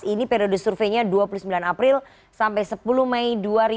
ini periode surveinya dua puluh sembilan april sampai sepuluh mei dua ribu dua puluh